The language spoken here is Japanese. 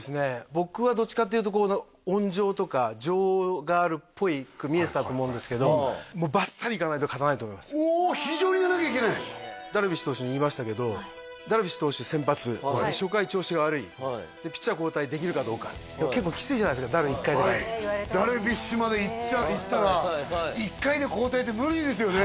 僕はどっちかっていうと温情とか情があるっぽく見えてたと思うんですけどもう非情にならなきゃいけないダルビッシュ投手に言いましたけどダルビッシュ投手先発初回調子が悪いでピッチャー交代できるかどうか結構きついじゃないですかダル１回で代えるのダルビッシュまでいったら１回で交代って無理ですよね